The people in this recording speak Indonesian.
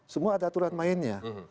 semua ada aturan mainnya